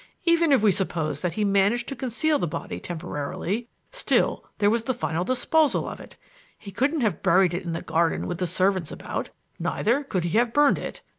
Even if we suppose that he managed to conceal the body temporarily, still there was the final disposal of it. He couldn't have buried it in the garden with the servants about; neither could he have burned it.